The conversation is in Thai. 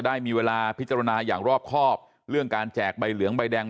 ได้มีเวลาพิจารณาอย่างรอบครอบเรื่องการแจกใบเหลืองใบแดง